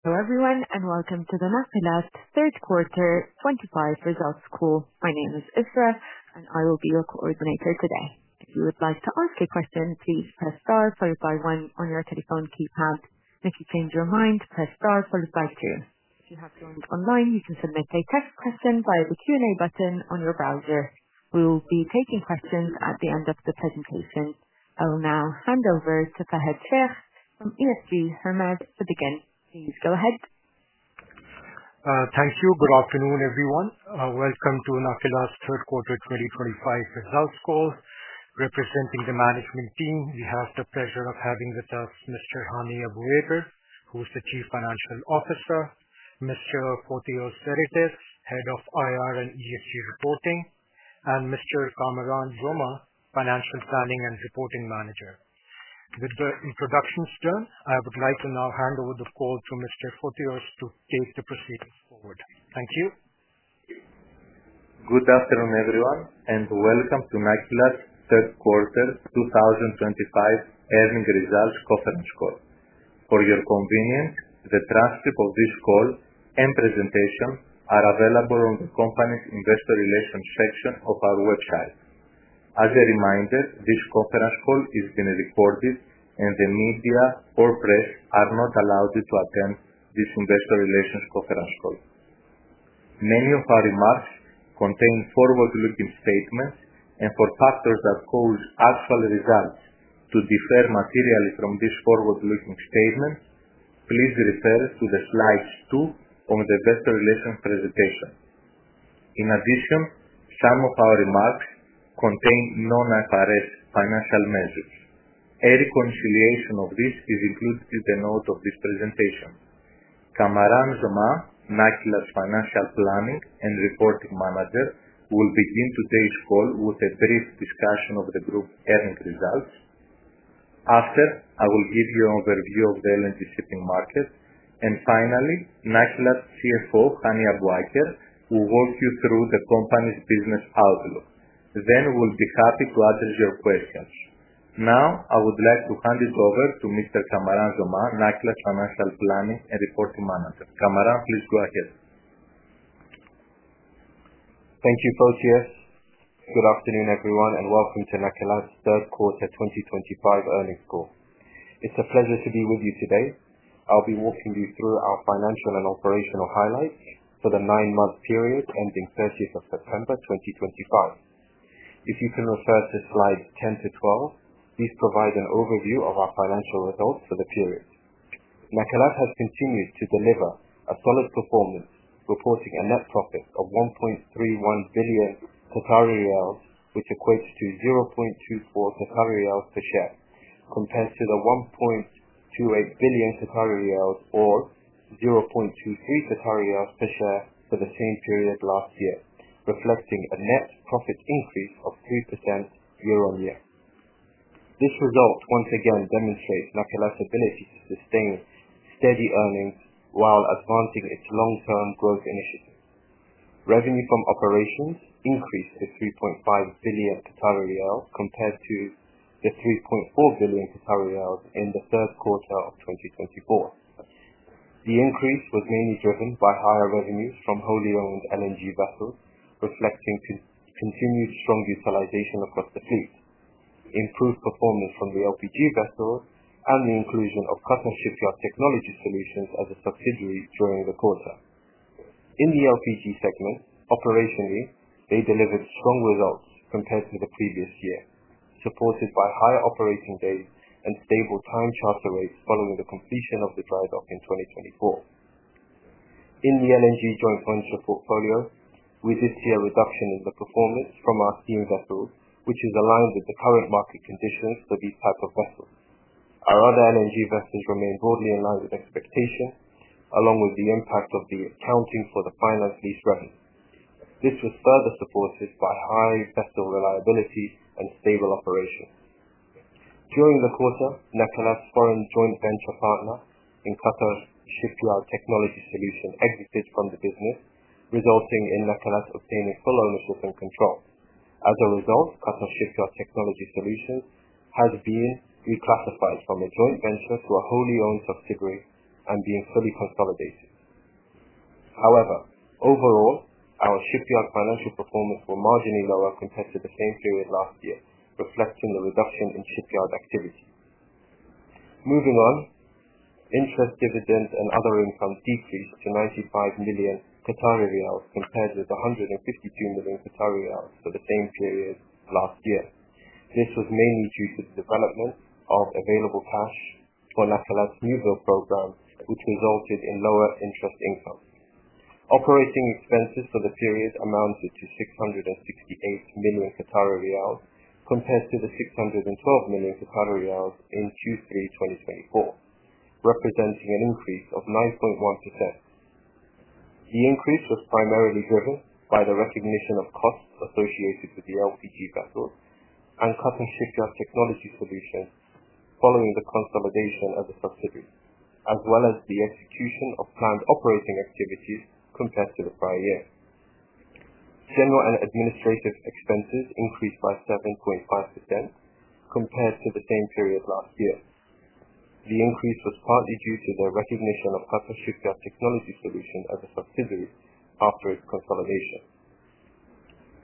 Hello everyone and welcome to the Nakilat's third quarter '25 results call. My name is Isra and I will be your coordinator today. If you would like to ask a question, please press * followed by 1 on your telephone keypad. If you change your mind, press * followed by 2. If you have joined online, you can submit a text question via the Q&A button on your browser. We will be taking questions at the end of the presentation. I will now hand over to Fahad Shaikh from EFG Hermes to begin. Please go ahead. Thank you. Good afternoon everyone. Welcome to Nakilat's third quarter 2025 results call. Representing the management team, we have the pleasure of having with us Mr. Hani Abuaker, who is the Chief Financial Officer, Mr. Fotios Zeritis, Head of IR and ESG Reporting, and Mr. Kamaran Jomah, Financial Planning and Reporting Manager. With the introductions done, I would like to now hand over the call to Mr. Fotios to take the proceedings forward. Thank you. Good afternoon everyone and welcome to Nakilat's third quarter 2025 earnings results conference call. For your convenience, the transcript of this call and presentation are available on the company's investor relations section of our website. As a reminder, this conference call is being recorded and the media or press are not allowed to attend this investor relations conference call. Many of our remarks contain forward-looking statements, and for factors that cause actual results to differ materially from these forward-looking statements, please refer to slide two of the investor relations presentation. In addition, some of our remarks contain non-IFRS financial measures. A reconciliation of this is included in the note of this presentation. Kamaran Jomah, Nakilat's financial planning and reporting manager, will begin today's call with a brief discussion of the group earnings results. After, I will give you an overview of the LNG shipping market. Finally, Nakilat's CFO, Hani Abuaker, will walk you through the company's business outlook. We'll be happy to address your questions. Now, I would like to hand it over to Mr. Kamaran Jomah, Nakilat's financial planning and reporting manager. Kamaran, please go ahead. Thank you, Fotios. Good afternoon everyone and welcome to Nakilat's third quarter 2025 earnings call. It's a pleasure to be with you today. I'll be walking you through our financial and operational highlights for the nine-month period ending 30th of September 2025. If you can refer to slides 10 to 12, these provide an overview of our financial results for the period. Nakilat has continued to deliver a solid performance, reporting a net profit of 1.31 billion Qatari riyals, which equates to 0.24 Qatari riyals per share, compared to the 1.28 billion Qatari riyals, or 0.23 Qatari riyals per share for the same period last year, reflecting a net profit increase of 3% year on year. This result once again demonstrates Nakilat's ability to sustain steady earnings while advancing its long-term growth initiative. Revenue from operations increased to 3.5 billion, compared to the 3.4 billion in the third quarter of 2024. The increase was mainly driven by higher revenues from wholly owned LNG vessels, reflecting continued strong utilization across the fleet, improved performance from the LPG vessels, and the inclusion of Qatar Shipyard Technology Solutions as a subsidiary during the quarter. In the LPG segment, operationally, they delivered strong results compared to the previous year, supported by higher operating days and stable time charter rates following the completion of the dry dock in 2024. In the LNG joint venture portfolio, we did see a reduction in the performance from our steam vessels, which is aligned with the current market conditions for these types of vessels. Our other LNG vessels remain broadly in line with expectations, along with the impact of the accounting for the finance lease revenue. This was further supported by high vessel reliability and stable operations. During the quarter, Nakilat's foreign joint venture partner in Qatar Shipyard Technology Solutions exited from the business, resulting in Nakilat obtaining full ownership and control. As a result, Qatar Shipyard Technology Solutions has been reclassified from a joint venture to a wholly owned subsidiary and being fully consolidated. However, overall, our shipyard financial performance was marginally lower compared to the same period last year, reflecting the reduction in shipyard activity. Moving on, interest, dividends, and other income decreased to 95 million Qatari riyals compared with 152 million Qatari riyals for the same period last year. This was mainly due to the development of available cash for Nakilat's new build program, which resulted in lower interest income. Operating expenses for the period amounted to 668 million Qatari riyals compared to the 612 million Qatari riyals in Q3 2024, representing an increase of 9.1%. The increase was primarily driven by the recognition of costs associated with the LPG vessels and Qatar Shipyard Technology Solutions following the consolidation as a subsidiary, as well as the execution of planned operating activities compared to the prior year. General and administrative expenses increased by 7.5% compared to the same period last year. The increase was partly due to the recognition of Qatar Shipyard Technology Solutions as a subsidiary after its consolidation.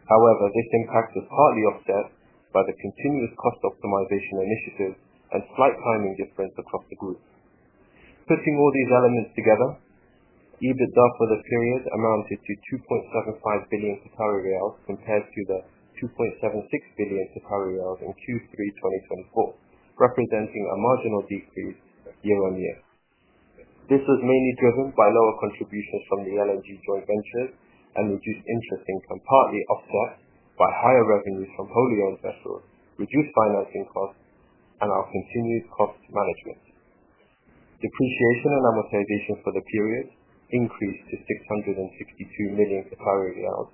However, this impact was partly offset by the continuous cost optimization initiative and slight timing difference across the group. Putting all these elements together, EBITDA for the period amounted to 2.75 billion Qatari riyals compared to the 2.76 billion Qatari riyals in Q3 2024, representing a marginal decrease year on year. This was mainly driven by lower contributions from the LNG joint ventures and reduced interest income, partly offset by higher revenues from wholly owned vessels, reduced financing costs, and our continued cost management. Depreciation and amortization for the period increased to 662 million Qatari riyals,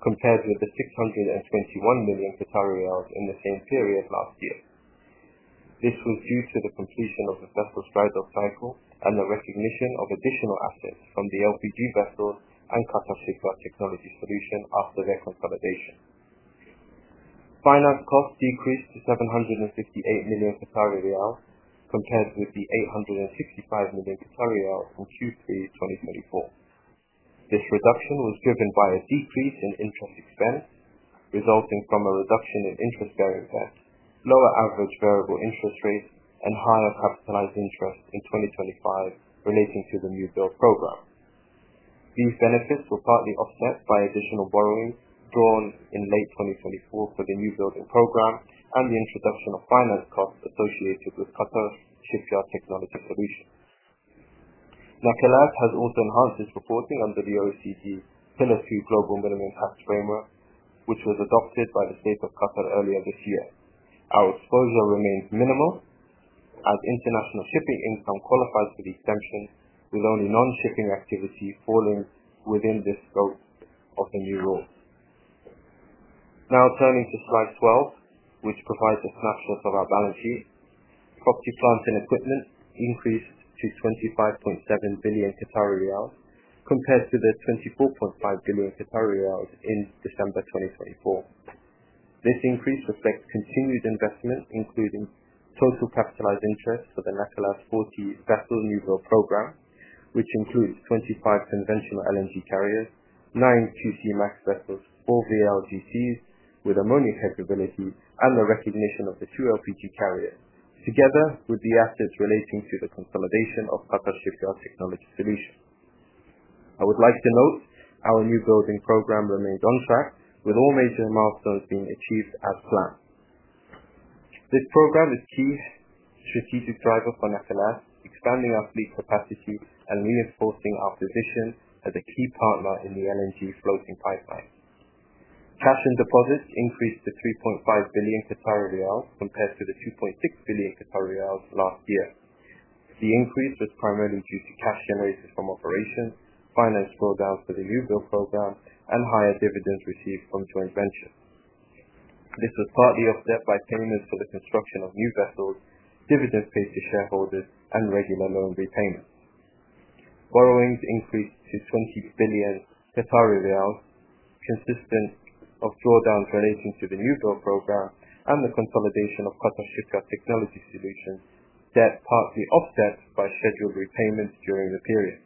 compared with the 621 million Qatari riyals in the same period last year. This was due to the completion of the vessel's dry dock cycle and the recognition of additional assets from the LPG vessels and Qatar Shipyard Technology Solutions after their consolidation. Finance costs decreased to 758 million, compared with the 865 million in Q3 2024. This reduction was driven by a decrease in interest expense, resulting from a reduction in interest-bearing debt, lower average variable interest rates, and higher capitalized interest in 2025 relating to the new build program. These benefits were partly offset by additional borrowing drawn in late 2024 for the new building program and the introduction of finance costs associated with Qatar Shipyard Technology Solutions. Nakilat has also enhanced its reporting under the OECD Pillar Two Global Minimum Tax Framework, which was adopted by the State of Qatar earlier this year. Our exposure remains minimal as international shipping income qualifies for the exemption, with only non-shipping activity falling within the scope of the new rules. Now turning to slide 12, which provides a snapshot of our balance sheet. Property, plant, and equipment increased to 25.7 billion Qatari riyals compared to the 24.5 billion Qatari riyals in December 2024. This increase reflects continued investment, including total capitalized interest for the Nakilat's 40 vessel new build program, which includes 25 conventional LNG carriers, nine QC-Max vessels, four VLGCs with ammonia capability, and the recognition of the two LPG carriers, together with the assets relating to the consolidation of Qatar Shipyard Technology Solutions. I would like to note our new building program remains on track, with all major milestones being achieved as planned. This program is a key strategic driver for Nakilat, expanding our fleet capacity and reinforcing our position as a key partner in the LNG floating pipeline. Cash and deposits increased to 3.5 billion riyals compared to the 2.6 billion riyals last year. The increase was primarily due to cash generated from operations, finance drawdowns for the new build program, and higher dividends received from joint ventures. This was partly offset by payments for the construction of new vessels, dividends paid to shareholders, and regular loan repayments. Borrowings increased to 20 billion, consistent with drawdowns relating to the new build program and the consolidation of Qatar Shipyard Technology Solutions debt, partly offset by scheduled repayments during the period.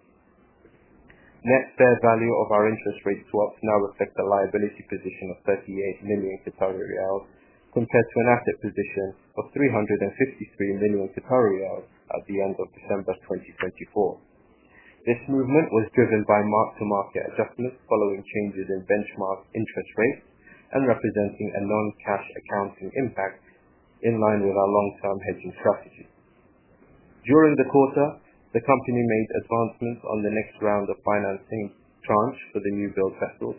Net fair value of our interest rate swaps now reflects a liability position of 38 million Qatari riyals compared to an asset position of 353 million Qatari riyals at the end of December 2024. This movement was driven by mark-to-market adjustments following changes in benchmark interest rates and representing a non-cash accounting impact in line with our long-term hedging strategy. During the quarter, the company made advancements on the next round of financing tranche for the new build vessels,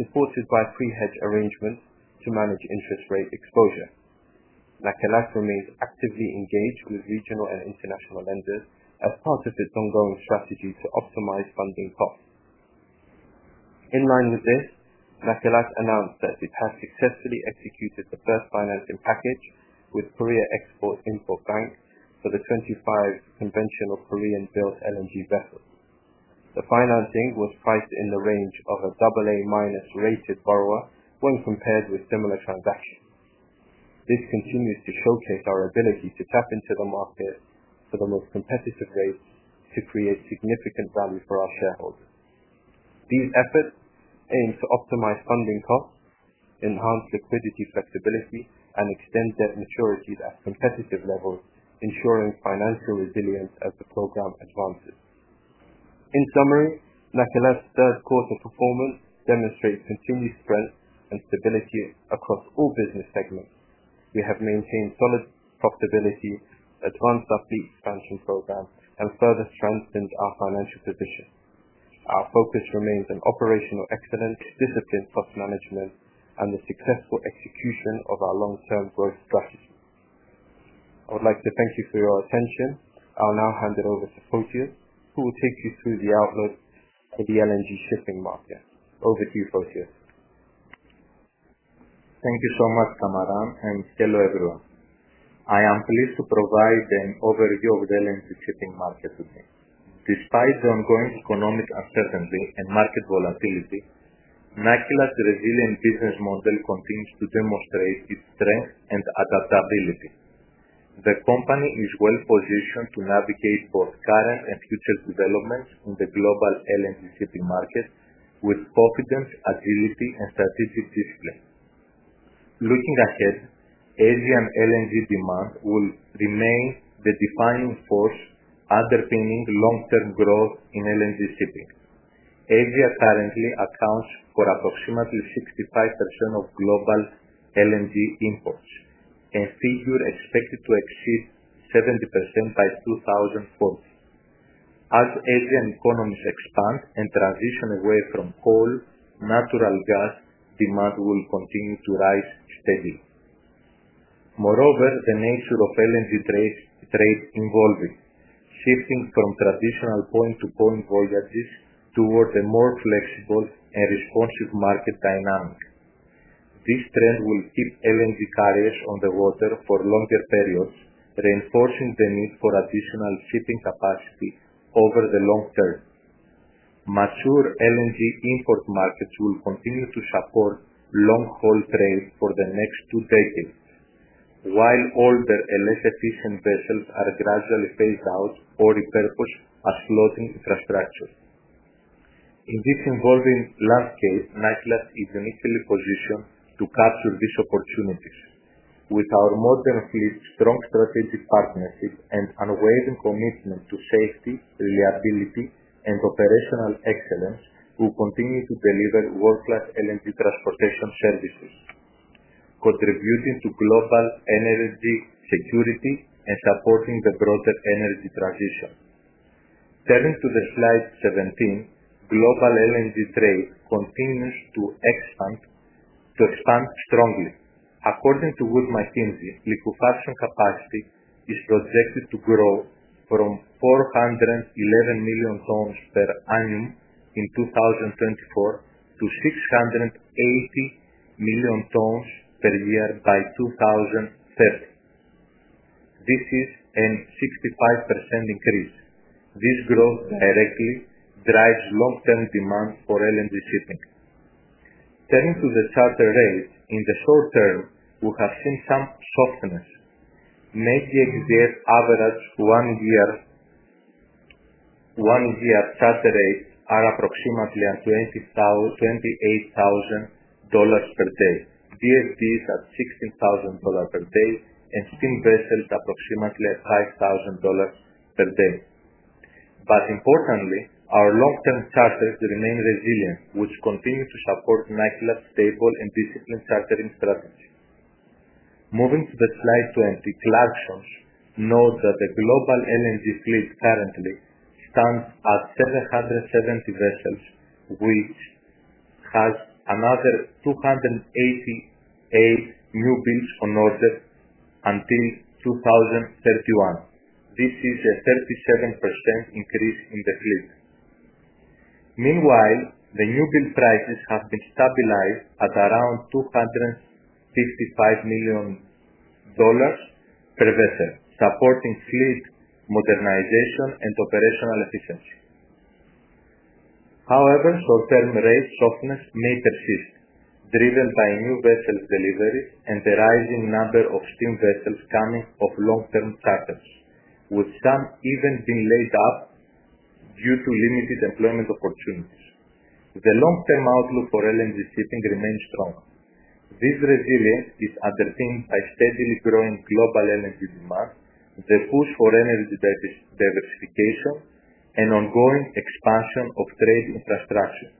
supported by pre-hedge arrangements to manage interest rate exposure. Nakilat remains actively engaged with regional and international lenders as part of its ongoing strategy to optimize funding costs. In line with this, Nakilat announced that it has successfully executed the first financing package with the Export-Import Bank of Korea for the 25 conventional Korean-built LNG vessels. The financing was priced in the range of a AA-rated borrower when compared with similar transactions. This continues to showcase our ability to tap into the market for the most competitive rates to create significant value for our shareholders. These efforts aim to optimize funding costs, enhance liquidity flexibility, and extend debt maturities at competitive levels, ensuring financial resilience as the program advances. In summary, Nakilat's third quarter performance demonstrates continued strength and stability across all business segments. We have maintained solid profitability, advanced our fleet expansion program, and further strengthened our financial position. Our focus remains on operational excellence, disciplined cost management, and the successful execution of our long-term growth strategy. I would like to thank you for your attention. I'll now hand it over to Fotios, who will take you through the outlook for the LNG shipping market. Over to you, Fotios. Thank you so much, Kamaran, and hello everyone. I am pleased to provide an overview of the LNG shipping market today. Despite the ongoing economic uncertainty and market volatility, Nakilat's resilient business model continues to demonstrate its strength and adaptability. The company is well-positioned to navigate both current and future developments in the global LNG shipping market with confidence, agility, and strategic discipline. Looking ahead, ASEAN LNG demand will remain the defining force underpinning long-term growth in LNG shipping. ASEAN currently accounts for approximately 65% of global LNG imports, a figure expected to exceed 70% by 2040. As ASEAN economies expand and transition away from coal, natural gas demand will continue to rise steadily. Moreover, the nature of LNG trade evolves, shifting from traditional point-to-point voyages toward a more flexible and responsive market dynamic. This trend will keep LNG carriers on the water for longer periods, reinforcing the need for additional shipping capacity over the long term. Mature LNG import markets will continue to support long-haul trade for the next two decades, while older and less efficient vessels are gradually phased out or repurposed as floating infrastructure. In this evolving landscape, Nakilat is uniquely positioned to capture these opportunities. With our modern fleet, strong strategic partnership, and unwavering commitment to safety, reliability, and operational excellence, we will continue to deliver world-class LNG transportation services, contributing to global energy security and supporting the broader energy transition. Turning to the slide 17, global LNG trade continues to expand strongly. According to Wood Mackenzie, liquefaction capacity is projected to grow from 411 million tons per annum in 2024 to 680 million tons per year by 2030. This is a 65% increase. This growth directly drives long-term demand for LNG shipping. Turning to the charter rates, in the short term, we have seen some softness. Median year-average one-year charter rates are approximately at $28,000 per day, BFDs at $16,000 per day, and steam vessels approximately at $5,000 per day. But importantly, our long-term charters remain resilient, which continue to support Nakilat's stable and disciplined chartering strategy. Moving to the Slide 20, Clarksons note that the global LNG fleet currently stands at 770 vessels, which has another 288 new builds on order until 2031. This is a 37% increase in the fleet. Meanwhile, the new build prices have been stabilized at around $255 million per vessel, supporting fleet modernization and operational efficiency. However, short-term rate softness may persist, driven by new vessel deliveries and the rising number of steam vessels coming off long-term charters, with some even being laid up due to limited employment opportunities. The long-term outlook for LNG shipping remains strong. This resilience is underpinned by steadily growing global LNG demand, the push for energy diversification, and ongoing expansion of trade infrastructure,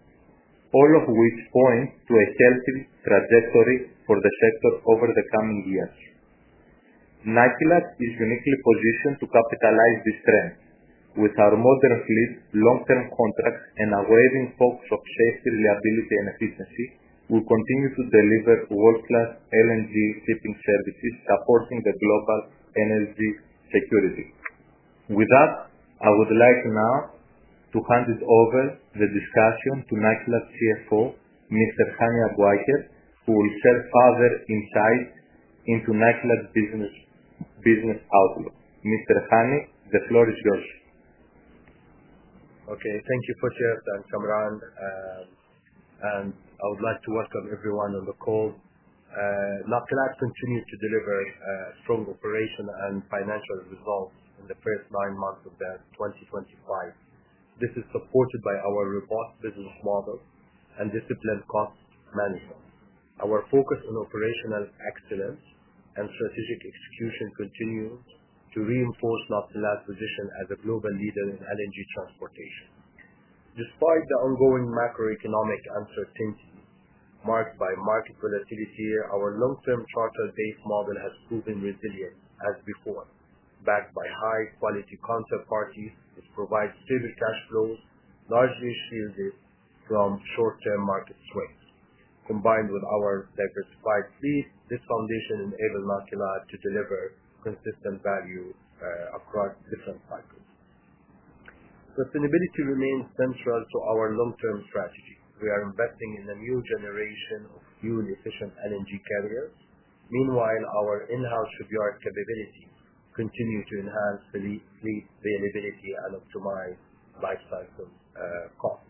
all of which point to a healthy trajectory for the sector over the coming years. Nakilat is uniquely positioned to capitalize this trend. With our modern fleet, long-term contracts, and unwavering focus on safety, reliability, and efficiency, we will continue to deliver world-class LNG shipping services, supporting the global energy security. With that, I would like now to hand it over the discussion to Nakilat's CFO, Mr. Hani Abuaker, who will share further insights into Nakilat's business outlook. Mr. Hani, the floor is yours. Okay, thank you, Fotios, and Kamaran and I would like to welcome everyone on the call. Nakilat has continued to deliver strong operational and financial results in the first nine months of 2025. This is supported by our robust business model and disciplined cost management. Our focus on operational excellence and strategic execution continues to reinforce Nakilat's position as a global leader in LNG transportation. Despite the ongoing macroeconomic uncertainty marked by market volatility here, our long-term charter-based model has proven resilient as before, backed by high-quality counterparties which provide stable cash flows, largely shielded from short-term market swings. Combined with our diversified fleet, this foundation enables Nakilat to deliver consistent value across different cycles. Sustainability remains central to our long-term strategy. We are investing in a new generation of fuel-efficient LNG carriers. Meanwhile, our in-house shipyard capabilities continue to enhance fleet availability and optimize lifecycle costs.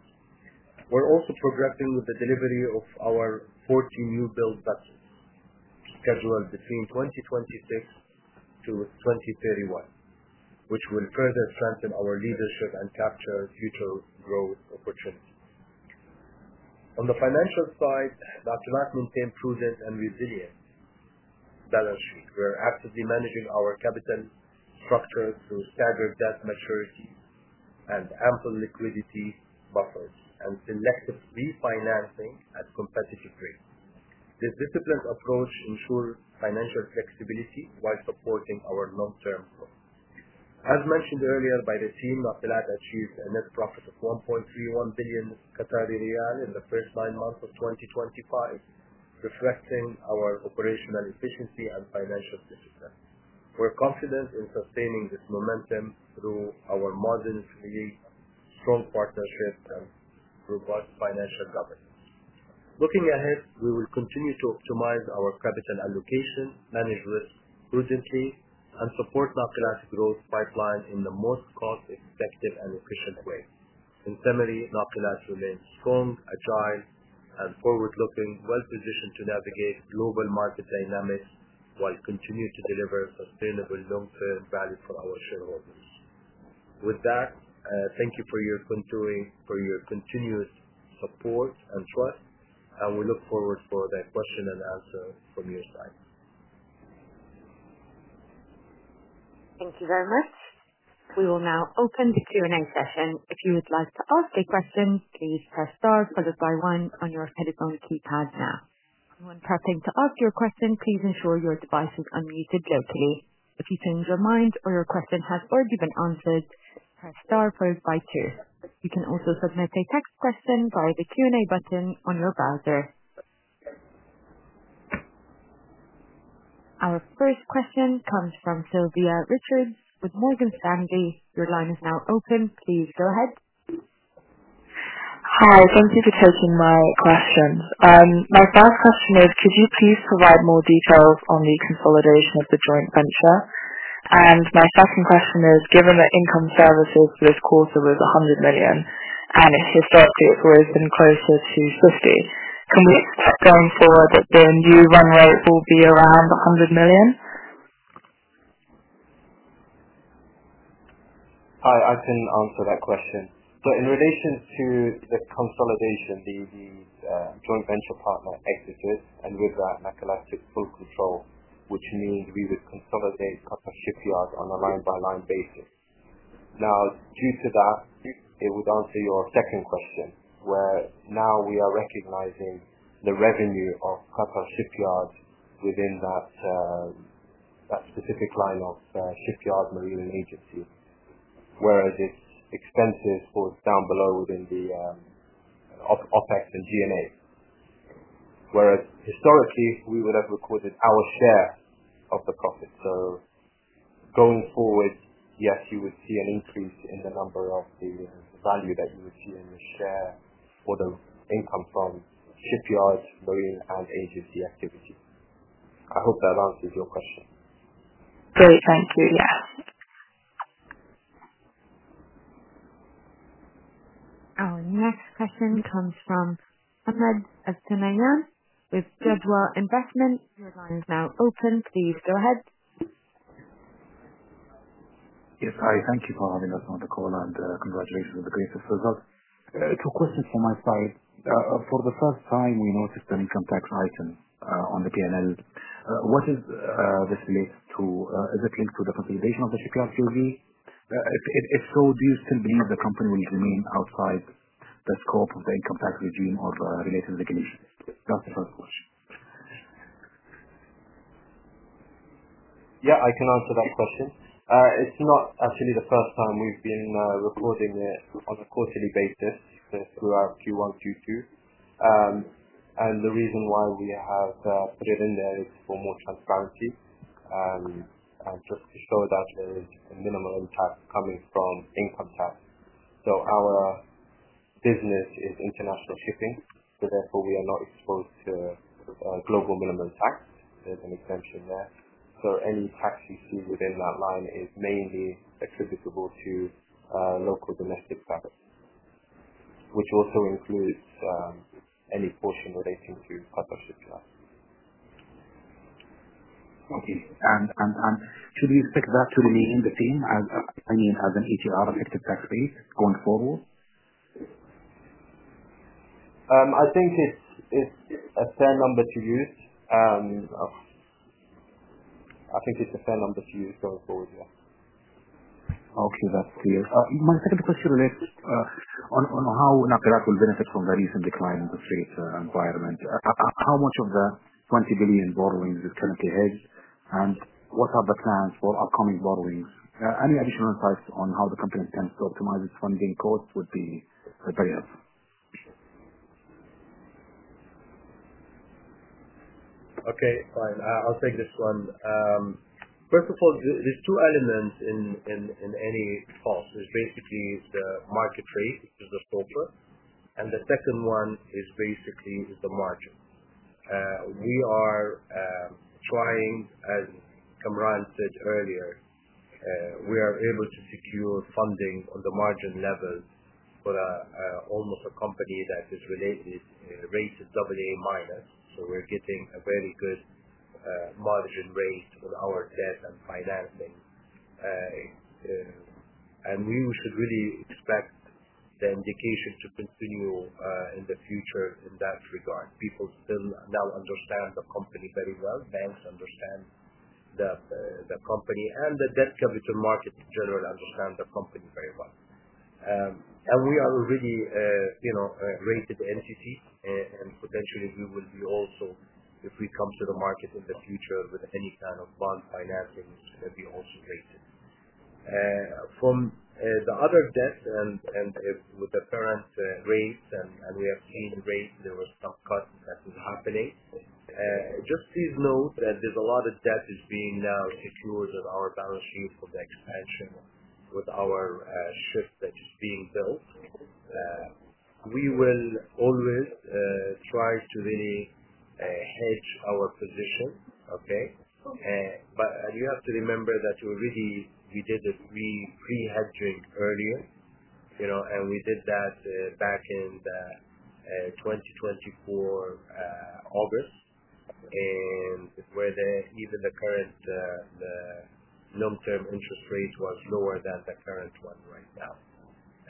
We're also progressing with the delivery of our 40 new build vessels scheduled between 2026 to 2031, which will further strengthen our leadership and capture future growth opportunities. On the financial side, Nakilat maintains prudent and resilient balance sheet. We're actively managing our capital structure through staggered debt maturities and ample liquidity buffers and selective refinancing at competitive rates. This disciplined approach ensures financial flexibility while supporting our long-term growth. As mentioned earlier by the team, Nakilat has achieved a net profit of 1.31 billion Qatari riyal in the first nine months of 2025, reflecting our operational efficiency and financial discipline. We're confident in sustaining this momentum through our modern fleet, strong partnerships, and robust financial governance. Looking ahead, we will continue to optimize our capital allocation, manage risk prudently, and support Nakilat's growth pipeline in the most cost-effective and efficient way. In summary, Nakilat remains strong, agile, and forward-looking, well-positioned to navigate global market dynamics while continuing to deliver sustainable long-term value for our shareholders. With that, thank you for your continued support and trust, and we look forward to the question and answer from your side. Thank you very much. We will now open the Q&A session. If you would like to ask a question, please press * followed by 1 on your headphone keypad now. When prepping to ask your question, please ensure your device is unmuted locally. If you change your mind or your question has already been answered, press * followed by 2. You can also submit a text question via the Q&A button on your browser. Our first question comes from Sylvia Richards with Morgan Stanley. Your line is now open. Please go ahead. Hi, thank you for taking my questions. My first question is, could you please provide more details on the consolidation of the joint venture? And my second question is, given that service income for this quarter was QAR 100 million, and historically it's always been closer to 50, can we expect going forward that the new run rate will be around QAR 100 million? Hi, I can answer that question. So in relation to the consolidation, the joint venture partner exited, and with that, Nakilat took full control, which means we would consolidate Qatar Shipyards on a line-by-line basis. Now, due to that, it would answer your second question, where now we are recognizing the revenue of Qatar Shipyards within that specific line of shipyard marine agency, whereas its expenses fall down below within the OPEX and G&A. Whereas historically, we would have recorded our share of the profit. So going forward, yes, you would see an increase in the number of the value that you would see in the share or the income from shipyard marine and agency activity. I hope that answers your question. Great, thank you. Yeah. Our next question comes from Mohammed Al-Thunayan with Jadwa Investment. Your line is now open. Please go ahead. Yes, hi. Thank you for having us on the call, and congratulations on the greatest results. Two questions from my side. For the first time, we noticed an income tax item on the P&L. What is this related to? Is it linked to the consolidation of Qatar Shipyard Technology Solutions? If so, do you still believe the company will remain outside the scope of the income tax regime or related regulations? That's the first question. Yeah, I can answer that question. It's not actually the first time we've been recording it on a quarterly basis throughout Q1, Q2, and the reason why we have put it in there is for more transparency and just to show that there is a minimal tax coming from income tax. Our business is international shipping, so therefore we are not exposed to global minimum tax. There's an exemption there. Any tax you see within that line is mainly attributable to local domestic status, which also includes any portion relating to Qatar Shipyard. Okay. And should we expect that to remain in the team? I mean, as an ETR effective tax base going forward? I think it's a fair number to use. I think it's a fair number to use going forward, yeah. Okay, that's clear. My second question relates on how Nakilat will benefit from the recent decline in the freight environment. How much of the 20 billion borrowing is currently held, and what are the plans for upcoming borrowings? Any additional insights on how the company intends to optimize its funding cost would be very helpful. Okay, fine. I'll take this one. First of all, there's two elements in any cost. There's basically the market rate, which is the spread, and the second one is basically the margin. We are trying, as Kamaran said earlier, we are able to secure funding on the margin level for a company that is rated AA minus. So we're getting a very good margin rate on our debt and financing. And we should really expect the indication to continue in the future in that regard. People still now understand the company very well. Banks understand the company, and the debt capital market in general understands the company very well. And we are already rated entities, and potentially we will be also, if we come to the market in the future with any kind of bond financing, we'll be also rated. From the other debt and with the current rates, and we have seen rates. There were some cuts that were happening. Just please note that there's a lot of debt that is being now secured on our balance sheet for the expansion with our ship that is being built. We will always try to really hedge our position, okay? But you have to remember that we did a pre-hedging earlier, and we did that back in 2024 August, where even the current long-term interest rate was lower than the current one right now.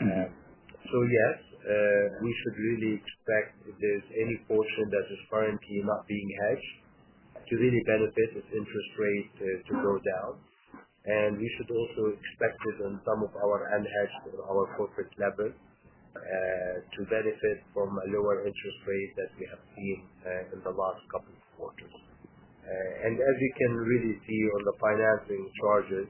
So yes, we should really expect if there's any portion that is currently not being hedged to really benefit if interest rates go down, and we should also expect it on some of our unhedged or our corporate level to benefit from a lower interest rate that we have seen in the last couple of quarters. As you can really see on the financing charges,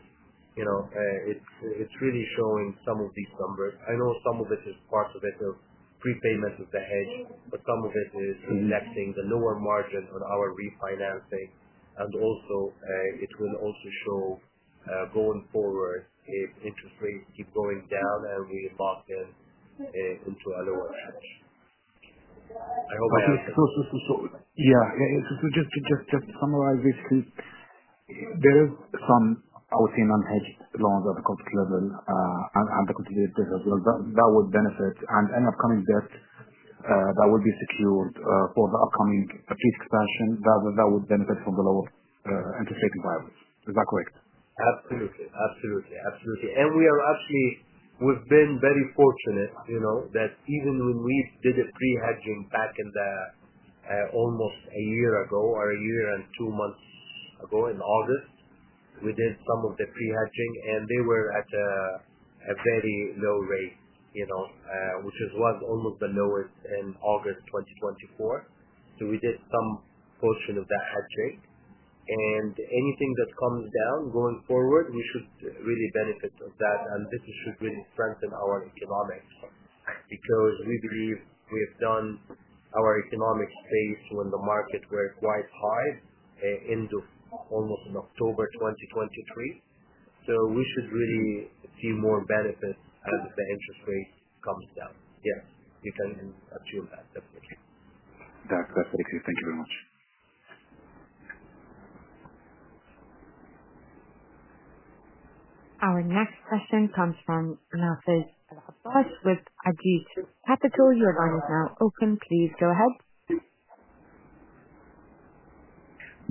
it's really showing some of these numbers. I know some of it is part of the prepayment of the hedge, but some of it is reflecting the lower margin on our refinancing. Also, it will also show going forward if interest rates keep going down and we lock in into a lower hedge. I hope I answered that. Yeah. Just to summarize basically, there is some, I would say, non-hedged loans at the corporate level and the consolidated as well. That would benefit. And any upcoming debt that will be secured for the upcoming fleet expansion, that would benefit from the lower interest rate environment. Is that correct? Absolutely. Absolutely. Absolutely. And we have actually been very fortunate that even when we did the pre-hedging back almost a year ago or a year and two months ago in August, we did some of the pre-hedging, and they were at a very low rate, which was almost the lowest in August 2024. So we did some portion of that hedging. And anything that comes down going forward, we should really benefit from that. And this should really strengthen our economics because we believe we have done our economic space when the market were quite high in almost October 2023. So we should really see more benefits as the interest rate comes down. Yes, you can assume that, definitely. That's very clear. Thank you very much. Our next question comes from Nafez Alabbas with QNB Financial Services. Your line is now open. Please go ahead.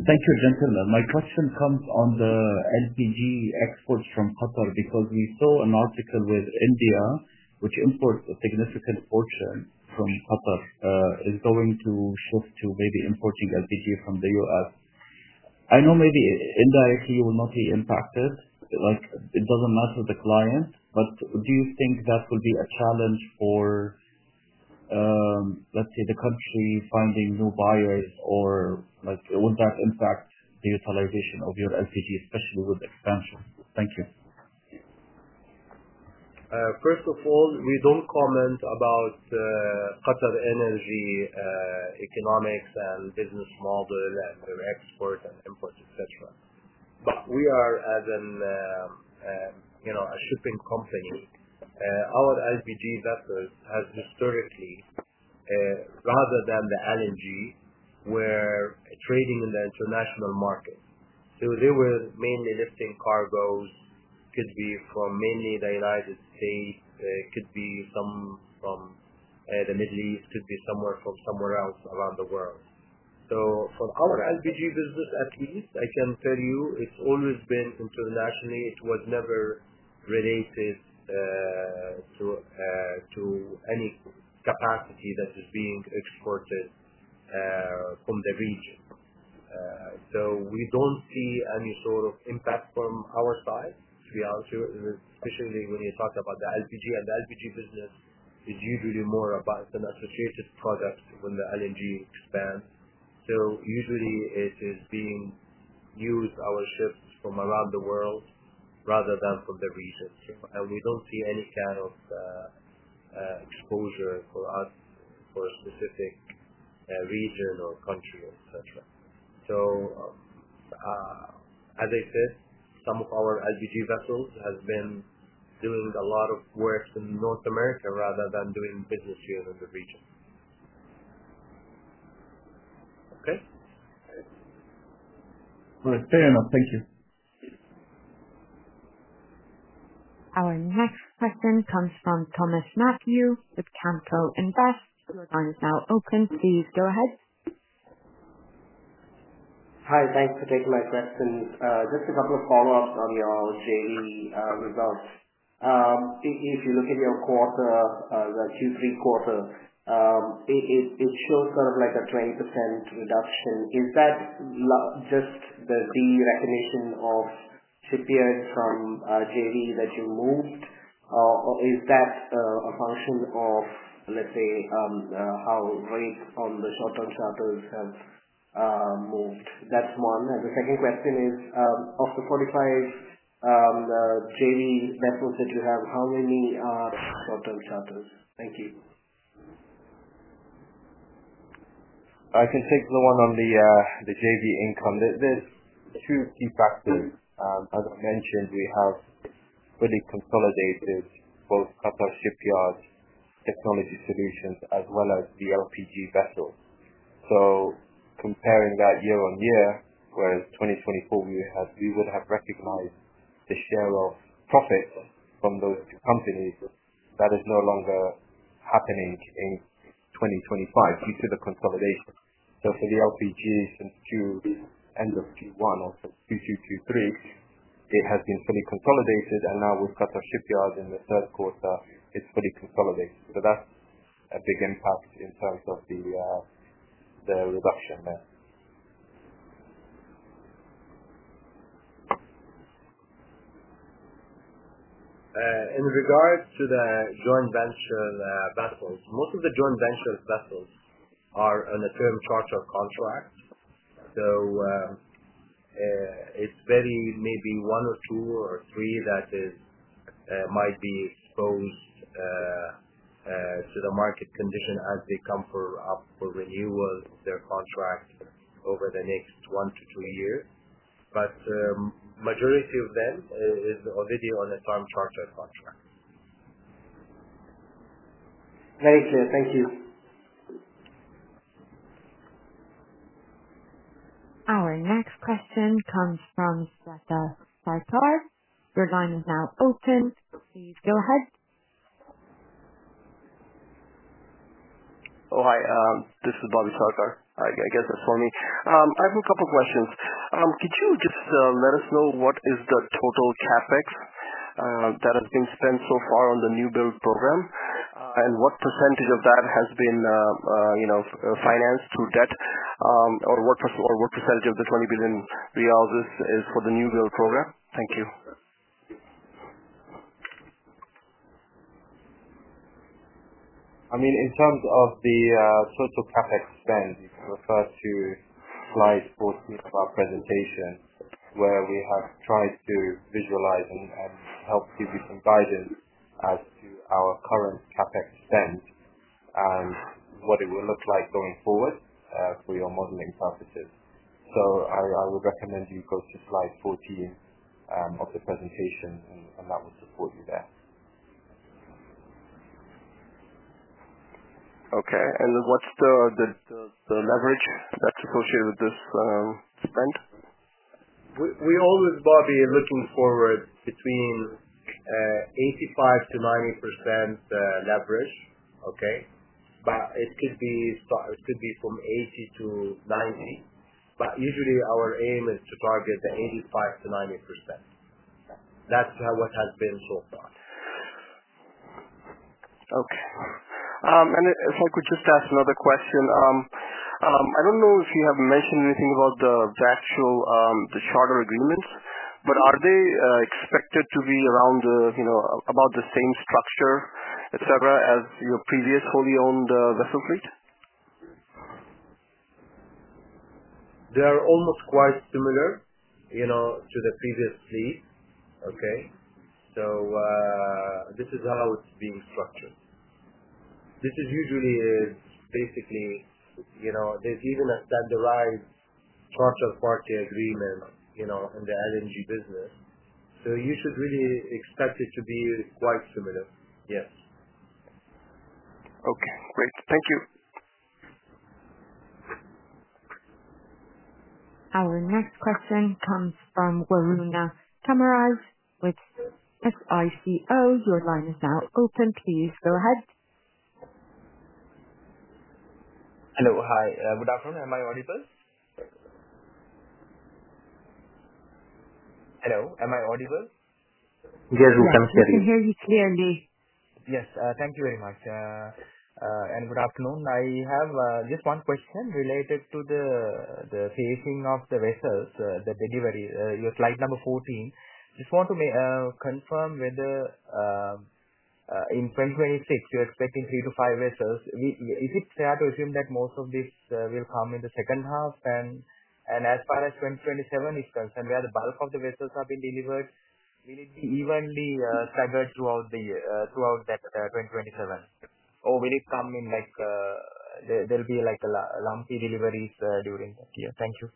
Thank you, gentlemen. My question comes on the LPG exports from Qatar because we saw an article with India, which imports a significant portion from Qatar, is going to shift to maybe importing LPG from the U.S. I know maybe indirectly you will not be impacted. It doesn't matter the client, but do you think that will be a challenge for, let's say, the country finding new buyers, or would that impact the utilization of your LPG, especially with expansion? Thank you. First of all, we don't comment about QatarEnergy economics and business model and their export and import, etc., but we are as a shipping company, our LPG vessels have historically, rather than the LNG, were trading in the international market, so they were mainly lifting cargoes. It could be from mainly the United States. It could be some from the Middle East. It could be somewhere from somewhere else around the world, so for our LPG business, at least, I can tell you, it's always been internationally. It was never related to any capacity that is being exported from the region. So we don't see any sort of impact from our side, to be honest with you, especially when you talk about the LPG, and the LPG business is usually more about an associated product when the LNG expands. So usually, it is being used by our ships from around the world rather than from the region. And we don't see any kind of exposure for us for a specific region or country, etc. So, as I said, some of our LPG vessels have been doing a lot of work in North America rather than doing business here in the region. Okay? All right. Fair enough. Thank you. Our next question comes from Thomas Mathew with Kamco Invest. Your line is now open. Please go ahead. Hi. Thanks for taking my question. Just a couple of follow-ups on your Q3 results. If you look at your Q3 quarter, it shows sort of like a 20% reduction. Is that just the deconsolidation of shipyards from JV that you moved, or is that a function of, let's say, how rates on the short-term charters have moved? That's one. And the second question is, of the 45 JV vessels that you have, how many are short-term charters? Thank you. I can take the one on the JV income. There's two key factors. As I mentioned, we have fully consolidated both Qatar Shipyard Technology Solutions as well as the LPG vessels. So comparing that year on year, whereas 2024, we would have recognized the share of profit from those two companies, that is no longer happening in 2025 due to the consolidation. So for the LPG since Q1, also Q2, Q3, it has been fully consolidated, and now with Qatar Shipyard in the third quarter, it's fully consolidated. So that's a big impact in terms of the reduction there. In regards to the joint venture vessels, most of the joint venture vessels are on a time charter contract. It's very maybe one or two or three that might be exposed to the market condition as they come up for renewal of their contract over the next one to two years. The majority of them is already on a term charter contract. Very clear. Thank you. Our next question comes from Zahra Sarkar. Your line is now open. Please go ahead. Oh, hi. This is Bobby Sarkar. I guess that's for me. I have a couple of questions. Could you just let us know what is the total CapEx that has been spent so far on the new build program, and what % of that has been financed through debt, or what % of the 20 billion riyals is for the new build program? Thank you. I mean, in terms of the total CapEx spend, you can refer to slides 14 of our presentation where we have tried to visualize and help give you some guidance as to our current CapEx spend and what it will look like going forward for your modeling purposes, so I would recommend you go to slide 14 of the presentation, and that will support you there. Okay, and what's the leverage that's associated with this spend? We always, Bobby, are looking forward between 85%-90% leverage, okay? But it could be from 80%-90%. But usually, our aim is to target the 85%-90%. That's what has been so far. Okay. And if I could just ask another question, I don't know if you have mentioned anything about the actual charter agreements, but are they expected to be around about the same structure, etc., as your previous fully owned vessel fleet? They're almost quite similar to the previous fleet, okay? So this is how it's being structured. This is usually basically there's even a standardized charter party agreement in the LNG business. So you should really expect it to be quite similar. Yes. Okay. Great. Thank you. Our next question comes from Waruna Kumarage with SICO. Your line is now open. Please go ahead. Hello. Hi. Good afternoon. Am I audible? Hello. Am I audible? Yes, we can hear you. We can hear you clearly. Yes. Thank you very much, and good afternoon. I have just one question related to the phasing of the vessels, the delivery. You have slide number 14. Just want to confirm whether in 2026, you're expecting three to five vessels. Is it fair to assume that most of these will come in the second half? And as far as 2027 is concerned, where the bulk of the vessels have been delivered, will it be evenly staggered throughout that 2027? Or will it come in? There'll be lumpy deliveries during that year? Thank you.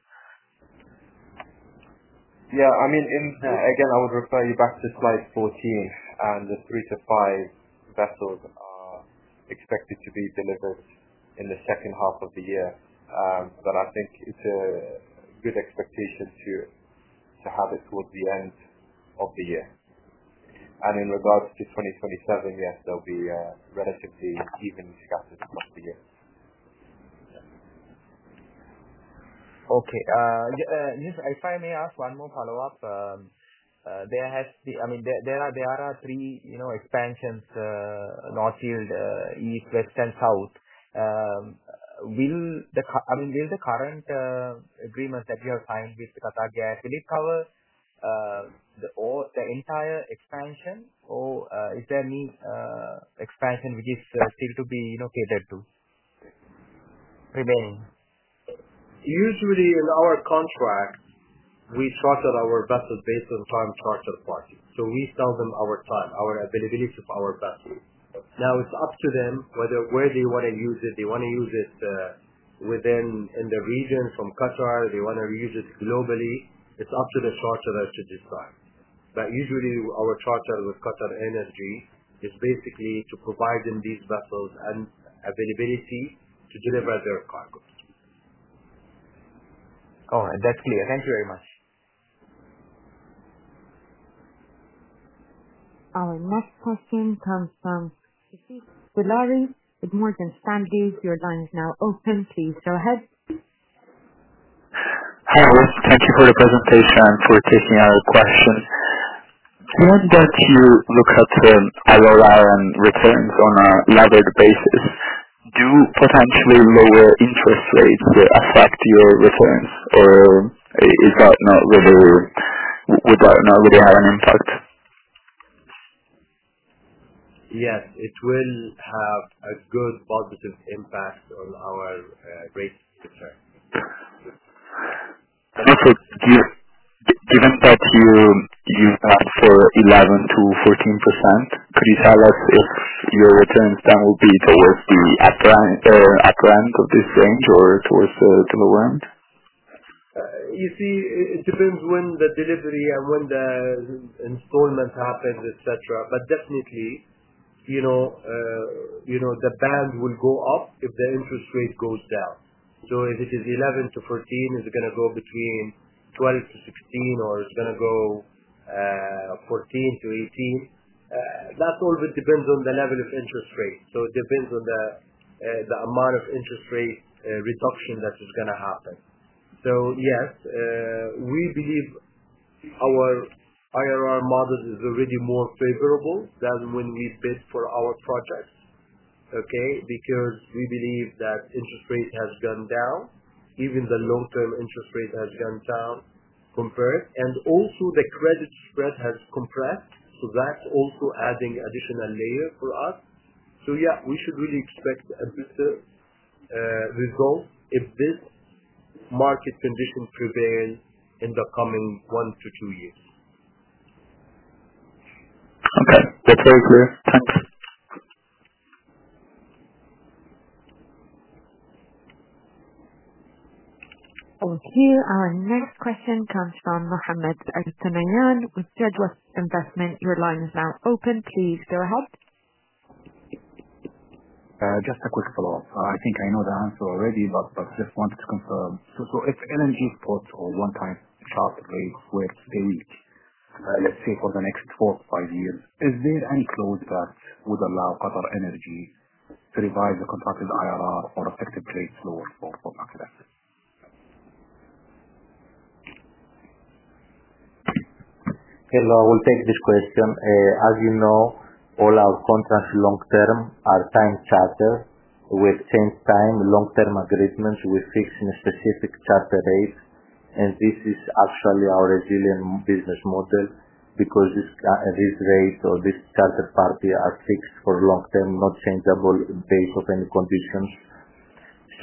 Yeah. I mean, again, I would refer you back to slide 14, and the three to five vessels are expected to be delivered in the second half of the year. But I think it's a good expectation to have it towards the end of the year. And in regards to 2027, yes, there'll be relatively evenly scattered across the year. Okay. If I may ask one more follow-up, there has been I mean, there are three expansions: North, East, West, and South. I mean, will the current agreement that you have signed with Qatar Gas, will it cover the entire expansion, or is there any expansion which is still to be catered to remaining? Usually, in our contract, we charter our vessels based on time charter party. So we sell them our time, our availability of our vessels. Now, it's up to them where they want to use it. They want to use it within the region from Qatar. They want to use it globally. It's up to the charterer to decide. But usually, our charter with QatarEnergy is basically to provide them these vessels and availability to deliver their cargo. All right. That's clear. Thank you very much. Our next question comes from Dilawri with Morgan Stanley. Your line is now open. Please go ahead. Hi, Ruth. Thank you for the presentation and for taking our question. Given that you look at the IOR and returns on a levered basis, do potentially lower interest rates affect your returns, or would that not really have an impact? Yes. It will have a good positive impact on our rate return. Okay. Given that you plan for 11%-14%, could you tell us if your returns then will be towards the upper end of this range or towards the lower end? You see, it depends when the delivery and when the installment happens, etc. But definitely, the band will go up if the interest rate goes down. So if it is 11-14, is it going to go between 12-16, or is it going to go 14-18? That always depends on the level of interest rate. So it depends on the amount of interest rate reduction that is going to happen. So yes, we believe our IOR model is already more favorable than when we bid for our projects, okay, because we believe that interest rate has gone down. Even the long-term interest rate has gone down compared. And also, the credit spread has compressed, so that's also adding an additional layer for us. So yeah, we should really expect a better result if this market condition prevails in the coming one-to-two years. Okay. That's very clear. Thank you. Over here, our next question comes from Mohammed Al-Thunayan with Jadwa Investment. Your line is now open. Please go ahead. Just a quick follow-up. I think I know the answer already, but just wanted to confirm. So if LNG imports or one-time charter rates were to be reached, let's say, for the next four to five years, is there any clause that would allow QatarEnergy to revise the contracted IOR or affected rates lower for Qatar Gas? Hello. I will take this question. As you know, all our contracts long-term are time chartered. We exchange time long-term agreements with fixed and specific charter rates. And this is actually our resilient business model because these rates or these charter party are fixed for long-term, not changeable based on any conditions.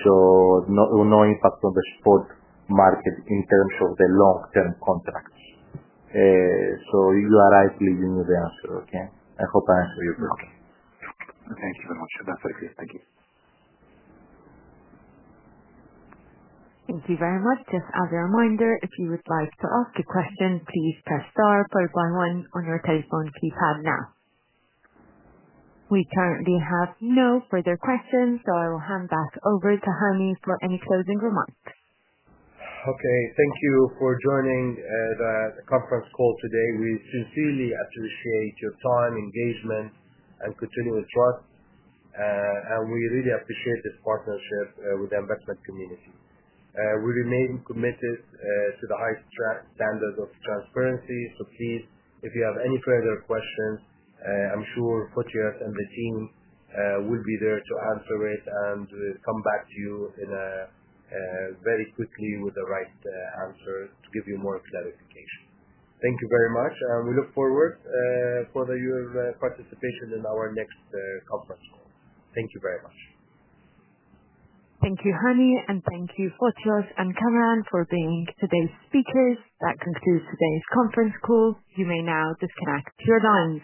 So no impact on the spot market in terms of the long-term contracts. So you are rightly giving me the answer, okay? I hope I answered you correctly. Okay. Thank you very much. That's very clear. Thank you. Thank you very much. Just as a reminder, if you would like to ask a question, please press * followed by 1 on your telephone keypad now. We currently have no further questions, so I will hand back over to Hani for any closing remarks. Okay. Thank you for joining the conference call today. We sincerely appreciate your time, engagement, and continued trust, and we really appreciate this partnership with the investment community. We remain committed to the highest standard of transparency, so please, if you have any further questions, I'm sure Fotios and the team will be there to answer it and come back to you very quickly with the right answer to give you more clarification. Thank you very much, and we look forward to your participation in our next conference call. Thank you very much. Thank you, Hani. And thank you, Fotios and Kamaran, for being today's speakers. That concludes today's conference call. You may now disconnect your lines.